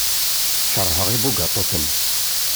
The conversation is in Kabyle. Keṛheɣ ibugaṭuten.